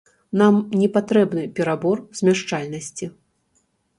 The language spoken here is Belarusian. Нам не патрэбны перабор змяшчальнасці.